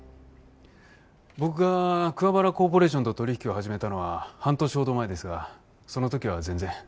僕が桑原コーポレーションと取引を始めたのは半年ほど前ですがその時は全然。